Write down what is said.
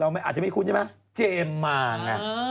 อาจจะไม่คุ้นใช่ไหมเจมส์มาไง